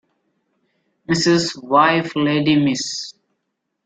Mrs. wife lady Miss